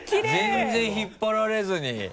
全然引っ張られずに。